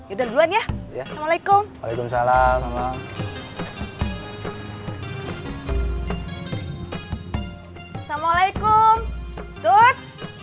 udah duluan ya assalamualaikum waalaikumsalam assalamualaikum tut